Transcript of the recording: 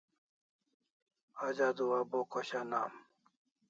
Aj adua a Bo khoshan am